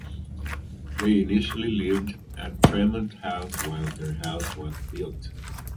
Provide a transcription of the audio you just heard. They initially lived at Tremont House while their house was built.